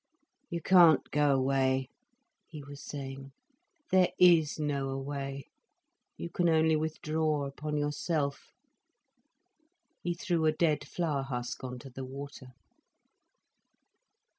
"You can't go away," he was saying. "There is no away. You only withdraw upon yourself." He threw a dead flower husk on to the water.